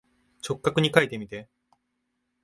直角にかいてみて。